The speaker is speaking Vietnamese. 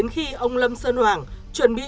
khi ông lâm sơn hoàng chuẩn bị